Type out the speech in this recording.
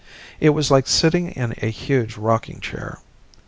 It was like sitting in a huge rocking chair.